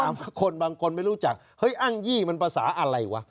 บางคนบางคนไม่รู้จักเฮ้ยอ้างยี่มันภาษาอะไรวะ